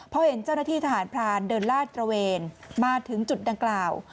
พอเห็นเจ้าหน้าที่ทหารพรานเดินลาดตระเวนมาถึงจุดดังกล่าว